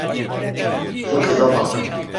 Şu kıza bak.